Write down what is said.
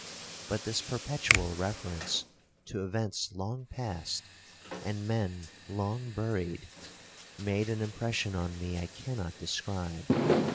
But this perpetual reference to events long past, and men long buried, made an impression on me I cannot describe.